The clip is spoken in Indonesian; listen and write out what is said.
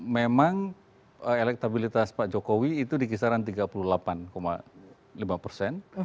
memang elektabilitas pak jokowi itu di kisaran tiga puluh delapan lima persen